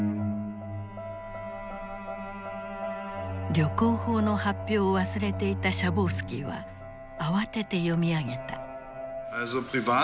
旅行法の発表を忘れていたシャボウスキーは慌てて読み上げた。